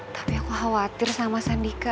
tapi aku khawatir sama sandika